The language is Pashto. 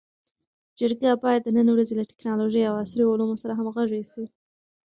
جرګه باید د نن ورځې له ټکنالوژۍ او عصري علومو سره همږغي سي.